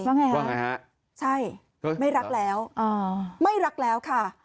ว่าไงว่าไงฮะใช่ไม่รักแล้วไม่รักแล้วค่ะ